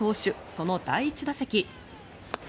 その第１打席。